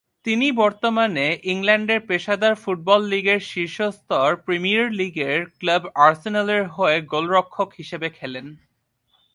তিনি বর্তমানে ইংল্যান্ডের পেশাদার ফুটবল লীগের শীর্ষ স্তর প্রিমিয়ার লীগের ক্লাব আর্সেনালের হয়ে গোলরক্ষক হিসেবে খেলেন।